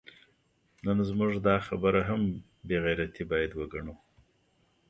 نو زموږ دا خبره هم بې غیرتي باید وګڼو